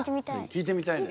聴いてみたいね。